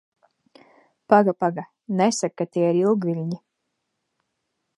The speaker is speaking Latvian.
Paga, paga, nesaki, ka tie ir ilgviļņi?